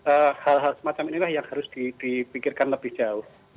ee hal hal semacam inilah yang harus dipikirkan lebih jauh